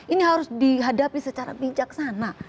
ini harus dihadapi secara bijaksana